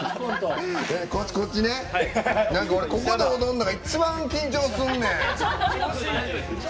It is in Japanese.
ここで踊るのが一番緊張すんねん！